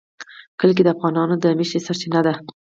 کلي د افغانانو د معیشت سرچینه ده.